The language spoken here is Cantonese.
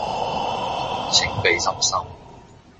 請俾心心